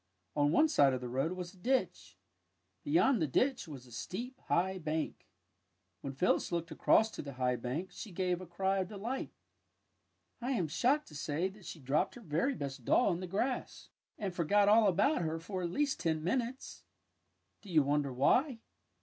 On one side of the road was a ditch. Beyond the ditch was a steep, high bank. When Phyllis looked across to the high bank she gave a cry of delight. I am shocked to say that she dropped her very best doll in the 97 98 THE WILD ROSE grass, and forgot all about her for at least ten minutes! Do you wonder why?